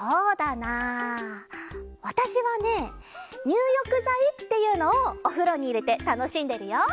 わたしはねにゅうよくざいっていうのをおふろにいれてたのしんでるよ。